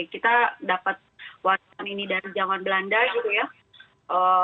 kita dapat warna ini dari jangkauan belanda gitu ya